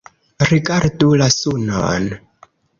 Rigardu la sunon!